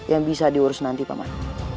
yang bisa diurus nanti paman